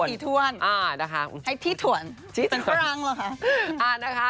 ให้ที่ถ่วนเป็นพรางเหรอคะคุณผู้ชมที่ถ่วนอ่านะคะ